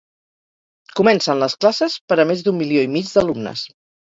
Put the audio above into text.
Comencen les classes per a més d'un milió i mig d'alumnes.